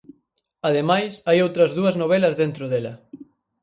Ademais hai outras dúas novelas dentro dela.